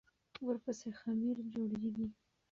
ورپسې خمیر جوړېږي.